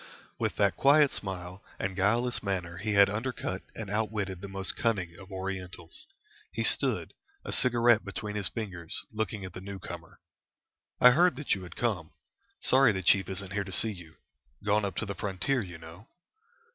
With that quiet smile and guileless manner he had undercut and outwitted the most cunning of Orientals. He stood, a cigarette between his fingers, looking at the newcomer. "I heard that you had come. Sorry the chief isn't here to see you. Gone up to the frontier, you know."